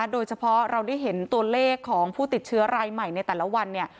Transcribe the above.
โดยเฉพาะเราได้เห็นตัวเลขของผู้ติดเชื้อรายใหม่ในแต่ละวันเนี่ย